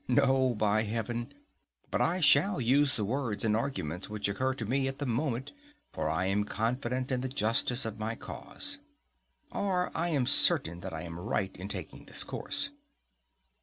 No, by heaven! but I shall use the words and arguments which occur to me at the moment; for I am confident in the justice of my cause (Or, I am certain that I am right in taking this course.)